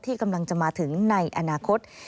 ที่กำลังจะมาถึงในอนาคต